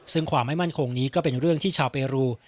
ซึ่งความไม่มั่นคงนี้ก็เป็นเรื่องที่ชาวเปรู